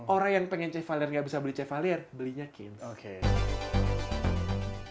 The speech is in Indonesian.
orang yang pengen chevalier nggak bisa beli chevalier belinya kens